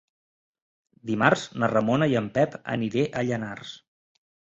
Dimarts na Ramona i en Pep aniré a Llanars.